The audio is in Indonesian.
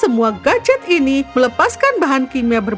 sekarang dinamakan ke butcher